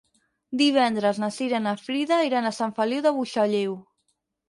Divendres na Cira i na Frida iran a Sant Feliu de Buixalleu.